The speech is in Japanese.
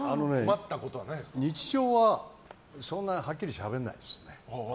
日常はそんなにはっきりしゃべんないですね。